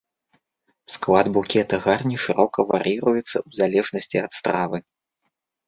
Склад букета гарні шырока вар'іруецца ў залежнасці ад стравы.